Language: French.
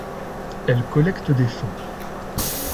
Elle collecte des fonds.